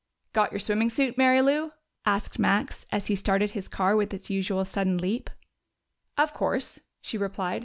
"Got your swimming suit, Mary Lou?" asked Max, as he started his car with its usual sudden leap. "Of course," she replied.